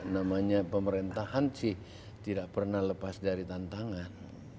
namanya pemerintahan sih tidak pernah lepas dari tantangan